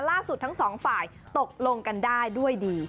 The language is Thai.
ล่าสุดทั้งสองฝ่ายตกลงกันได้ด้วยดี